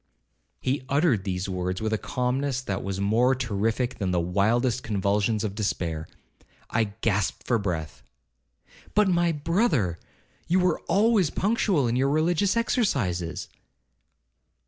'—He uttered these words with a calmness that was more terrific than the wildest convulsions of despair. I gasped for breath—'But, my brother, you were always punctual in your religious exercises.'